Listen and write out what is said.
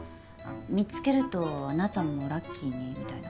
「見つけるとあなたもラッキーに？」みたいな。